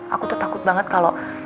aku tuh takut banget kalau